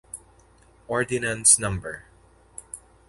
Ordinance no.